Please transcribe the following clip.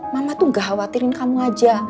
mama tuh gak khawatirin kamu aja